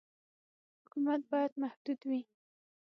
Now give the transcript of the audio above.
حکومت باید محدود وي.